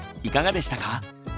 いかがでしたか？